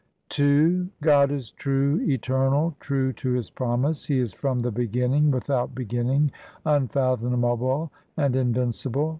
II God is true, Eternal, true to His promise ; He is from the beginning, without beginning, unfathomable, and in vincible.